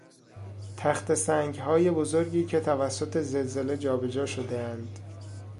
تخته سنگهای بزرگی که توسط زلزله جا به جا شدهاند